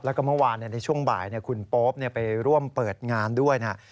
แล้วก็เมื่อวานในช่วงบ่ายคุณโป๊ปไปร่วมเปิดงานด้วยนะ